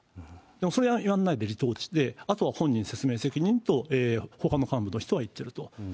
でもそれはやんないで離党して、あとは本人に説明責任とほかの幹部の方は言ってると。